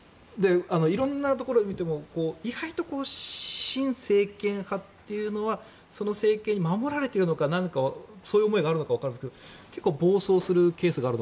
色んなところを見ても意外と親政権派というのはその政権に守られてるのかそういう思いがあるのかわからないですが結構暴走するケースがある。